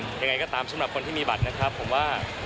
ยังไงก็ตามสำหรับคนที่มีบัตรนะครับผมว่า